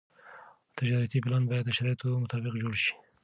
تجارتي پلان باید د شرایطو مطابق جوړ شي.